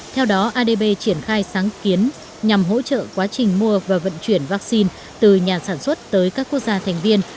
theo đó adb triển khai sáng kiến nhằm hỗ trợ quá trình mua và vận chuyển vaccine từ nhà sản xuất tới các quốc gia thành viên